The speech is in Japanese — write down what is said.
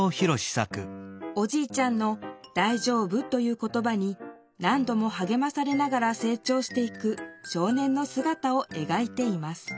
おじいちゃんの「だいじょうぶ」という言ばに何どもはげまされながら成長していく少年のすがたをえがいています